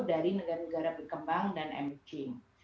dari negara negara berkembang dan emerging